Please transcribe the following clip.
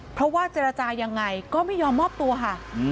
เพราะว่าเจรจายังไงก็ไม่ยอมมอบตัวค่ะ